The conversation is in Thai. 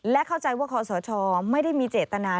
และเข้าใจว่าคอสชไม่ได้มีเจตนา